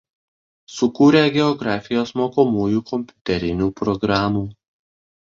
Sukūrė geografijos mokomųjų kompiuterinių programų.